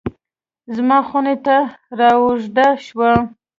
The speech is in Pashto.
زما خونې ته رااوږده شوه